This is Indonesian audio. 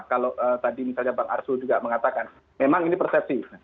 kalau tadi misalnya bang arsul juga mengatakan memang ini persepsi